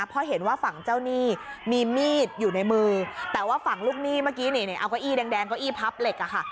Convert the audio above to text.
เพราะเห็นว่าฝั่งเจ้าหนี้มีมีดอยู่ในมือแต่ว่าฝั่งลูกหนี้เมื่อกี้เอาเก้าอี้แดงเก้าอี้พับเหล็กอะค่ะ